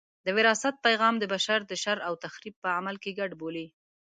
د وراثت پیغام د بشر د شر او تخریب په عمل کې ګډ بولي.